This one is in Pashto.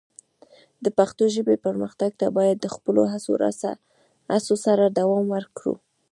د پښتو ژبې پرمختګ ته باید د خپلو هڅو سره دوام ورکړو.